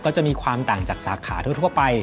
ก็จะมีความต่างจากสาขาทั่วไป